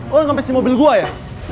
lu sampai di mobil gue ya